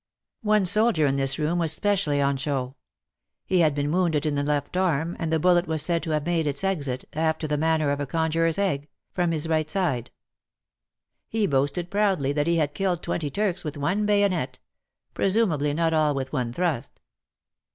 One soldier in this room was specially on show. He had been wounded in the left arm, and the bullet was said to have made its exit — after the manner of a conjurer's egg — from his right WAR AND WOMEN 23 side. He boasted proudly that he had killed 20 Turks with one bayonet, — presumably not all with one thrust.